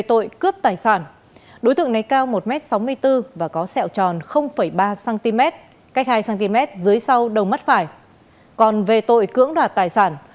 tội cưỡng đoạt tài sản